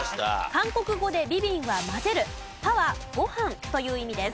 韓国語で「ビビン」は「混ぜる」「パ」は「ご飯」という意味です。